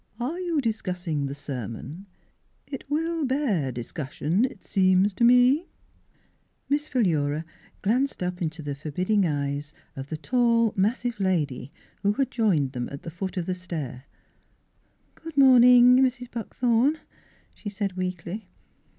" Are you discussing the sermon? It will bear discussion, it seems to me." Miss Philura glanced up into the for bidding eyes of the tall, massive lady, who had joined them at the foot of the stair, " Good morning, Mrs. Buckthorn," she said weakly.